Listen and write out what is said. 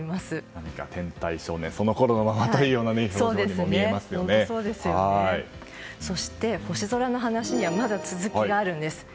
何か天体少年その頃のままという表情にもそして、星空の話にはまだ続きがあるんです。